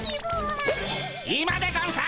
今でゴンス！